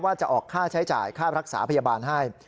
ว่าจะออกค่าใช้จ่ายค่ารักษาพยาบาลให้